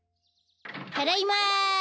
ただいま。